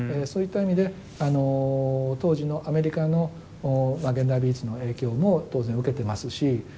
そういった意味で当時のアメリカの現代美術の影響も当然受けてますし。